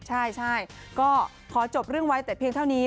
ใช่ก็ขอจบเรื่องไว้แต่เพียงเท่านี้